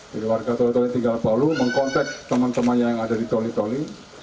jadi warga toli toli yang tinggal di palu mengkontek teman temannya yang ada di toli toli